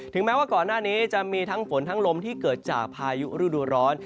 แม้ว่าก่อนหน้านี้จะมีทั้งฝนทั้งลมที่เกิดจากพายุฤดูร้อน